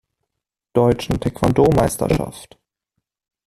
Deutschen Taekwondo-Meisterschaft.